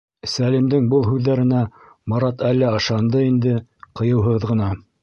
Сәлимдең был һүҙҙәренә Марат әллә ышанды инде, ҡыйыуһыҙ ғына: